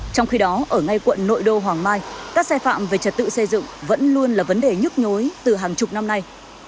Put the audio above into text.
trong khi đó ở ngay quận nội đô hoàng mai các sai phạm về trật tự xây dựng vẫn luôn là vấn đề nhức nhối từ hàng chục năm nay